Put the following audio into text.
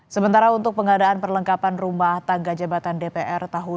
sementara untuk pengadaan perlengkapan rumah tangga jabatan dpr tahun dua ribu dua puluh